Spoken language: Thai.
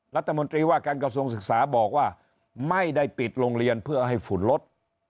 รัฐมนตรีว่าการกระทรวงศึกษาบอกว่าไม่ได้ปิดโรงเรียนเพื่อให้ฝุ่นลด